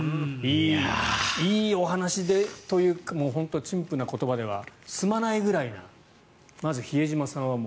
いいお話でというか本当に陳腐な言葉では済まないぐらいな。